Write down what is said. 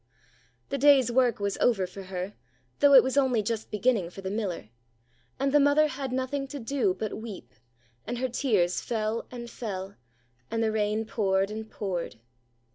The day's work was over for her, though it was only just beginning for the miller, and the mother had nothing to do but weep, and her tears fell and fell, and the rain poured and poured.